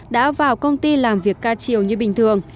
đã vào công ty làm việc ca chiều như bình thường